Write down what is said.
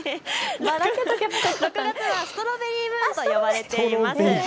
６月はストロベリームーンと呼ばれています。